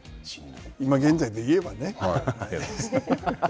今現在で言えばね。